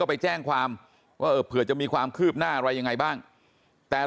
ไปแจ้งความว่าเออเผื่อจะมีความคืบหน้าอะไรยังไงบ้างแต่